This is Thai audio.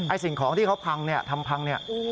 สิ่งของที่เขาพังเนี่ยทำพังเนี่ย